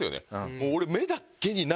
もう俺。